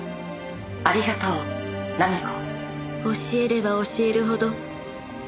ありがとう菜美子」